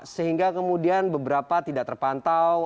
sehingga kemudian beberapa tidak terpantau